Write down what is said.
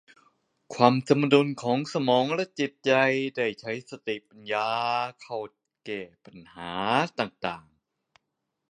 ความสมดุลของสมองและจิตใจได้ใช้สติปัญญาเข้าแก้ปัญหาต่าง